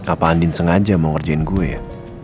apa andin sengaja mau ngerjain gue ya